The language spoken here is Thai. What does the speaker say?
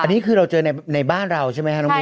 อันนี้คือเราเจอในบ้านเราใช่ไหมครับน้องมิว